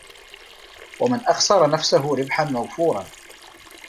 وَمَنْ أَخْسَرَ نَفْسَهُ رِبْحًا مَوْفُورًا